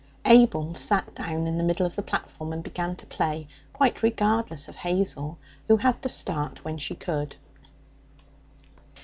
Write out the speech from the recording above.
Abel sat down in the middle of the platform and began to play, quite regardless of Hazel, who had to start when she could.